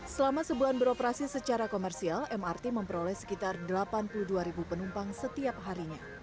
selama sebulan beroperasi secara komersial mrt memperoleh sekitar delapan puluh dua penumpang setiap harinya